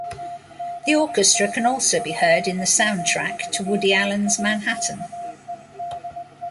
The orchestra can also be heard in the soundtrack to Woody Allen's "Manhattan".